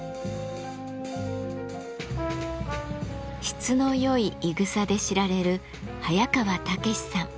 質のよいいぐさで知られる早川猛さん。